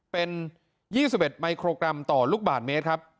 เป็น๒๑มิโครกรัมต่อลูกบาทเมตรครับ